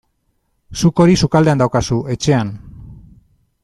Zuk hori sukaldean daukazu, etxean.